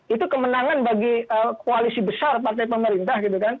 itu kemenangan bagi koalisi besar partai pemerintah